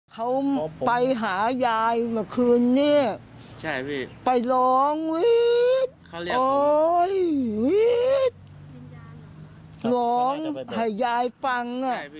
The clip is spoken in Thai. เขาไปหายายเมื่อคืนนี้ไปร้องวีดโอ๊ยวีดร้องให้ยายฟัง